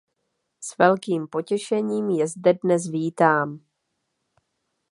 S velkým potěšením je zde dnes vítám.